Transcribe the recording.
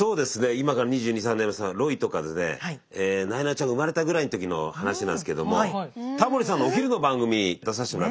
今から２２２３年前ロイとかなえなのちゃんが生まれたぐらいの時の話なんですけどもタモリさんのお昼の番組出させてもらって。